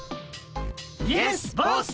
イエスボス！